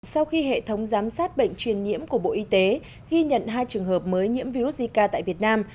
sau khi hệ thống giám sát bệnh truyền nhiễm của bộ y tế ghi nhận hai trường hợp mới nhiễm virus zika tại việt nam